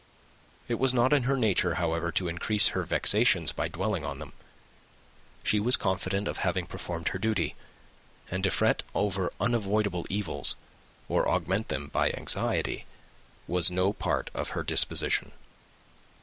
It was not in her nature, however, to increase her vexations by dwelling on them. She was confident of having performed her duty; and to fret over unavoidable evils, or augment them by anxiety, was no part of her disposition.